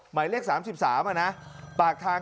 หมายเลข๓๓อ่ะนะปากทาง